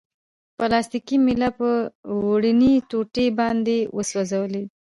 پلاستیکي میله په وړیني ټوټې باندې وسولوئ.